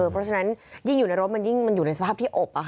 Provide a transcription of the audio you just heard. เพราะฉะนั้นยิ่งอยู่ในรถมันยิ่งมันอยู่ในสภาพที่อบ